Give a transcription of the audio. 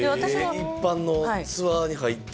一般のツアーに入って？